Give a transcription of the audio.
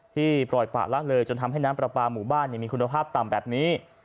ปล่อยปะละเลยจนทำให้น้ำปลาปลาหมู่บ้านมีคุณภาพต่ำแบบนี้